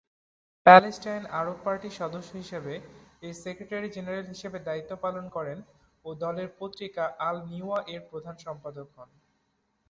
Palestine Arab পার্টির সদস্য হিসেবে এর সেক্রেটারি-জেনারেল হিসেবে দায়িত্ব পালন করেন ও দলের পত্রিকা "আল-লিওয়া" এর প্রধান সম্পাদক হন।